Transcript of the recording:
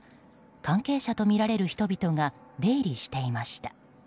関係者とみられる人々が出入りしていました。